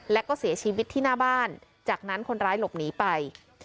และก็เสียชีวิตที่หน้าบ้านจากนั้นคนร้ายหลบหนีไป